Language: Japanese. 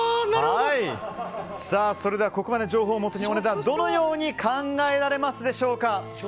それではここまでの情報をもとにお値段、どのように考えられますでしょうか。